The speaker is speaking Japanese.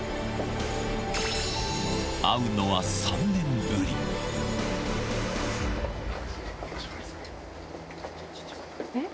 会うのは３年ぶり。えっ？